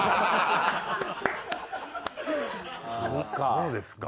そうですか。